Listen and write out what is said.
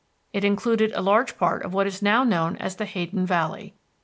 It included a large part of what is now known as the Hayden Valley.